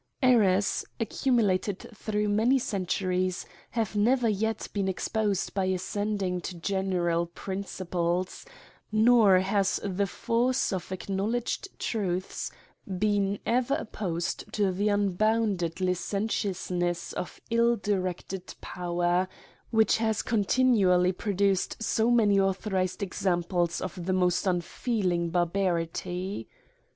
Errors, ae ^ cumulated through many centuries, have never yet been exposed by ascending to general princi ples ; ,npr has the force of acknowledged truths been ever opposed to the unbounded licentious ness of ill directed power, which has continually .produced so many authorised examples of the most unfeeling barbarity.